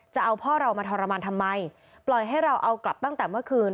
จะเอาพ่อเรามาทรมานทำไมปล่อยให้เราเอากลับตั้งแต่เมื่อคืน